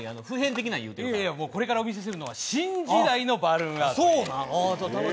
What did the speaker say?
これからお見せするのは新時代のバルーンアートです。